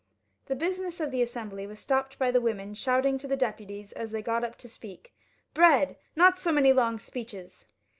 The business of the Assembly was stopped by the women shouting to the deputies as they got up to speak, " Bread ! Not so many long speeches."